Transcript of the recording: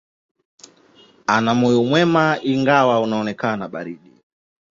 Ana moyo mwema, ingawa unaonekana baridi.